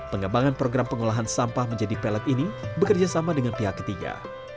pengembangan program pengolahan sampah menjadi pelet ini bekerja sama dengan pihak ketiga